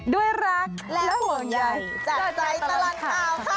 ด้วยรักและห่วงใยจากใจตลอดข่าวค่ะ